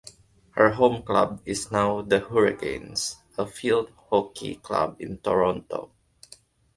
Her home club is now the Hurricanes, a field hockey club in Toronto.